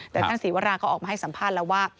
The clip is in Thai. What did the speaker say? แต่ท่านศรีวราก็ออกมาให้สัมภาษณ์แล้วว่า